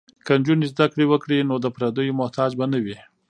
که نجونې زده کړې وکړي نو د پردیو محتاج به نه وي.